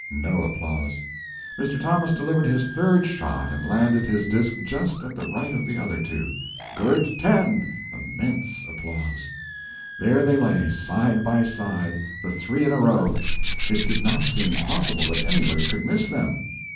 (No applause.) Mr. Thomas delivered his third shot and landed his disk just at the right of the other two. "Good 10." (Immense applause.) There they lay, side by side, the three in a row. It did not seem possible that anybody could miss them.